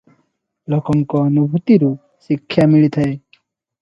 ଲୋକଙ୍କ ଅନୁଭୂତିରୁ ଶିକ୍ଷା ମିଳିଥାଏ ।